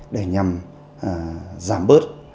để nhằm giảm bớt